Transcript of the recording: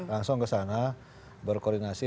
langsung kesana berkoordinasi